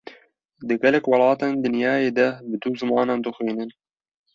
Di gelek welatên dinyayê de, bi du zimanan dixwînin